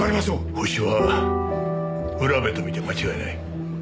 ホシは浦部と見て間違いない。